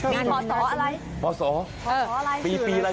มีพอสออะไรปีอะไร